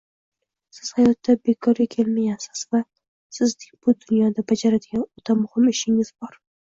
Siz hayotga bekorga kelmagansiz va sizning bu dunyoda bajaradigan o’ta muhim ishingiz bor